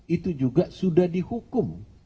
itu juga sudah dihukum